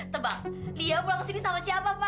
tebak lia pulang ke sini sama siapa pa